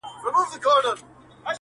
زما په مینه کي دا ټول جهان سوځیږي-